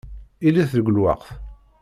Ilit deg lweqt.